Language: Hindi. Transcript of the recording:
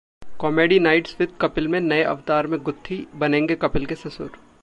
कॉमेडी नाइट्स विद कपिल में नए अवतार में गुत्थी, बनेंगे कपिल के ससुर